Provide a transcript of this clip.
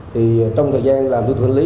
thì trong thời gian làm tịch thu thanh lý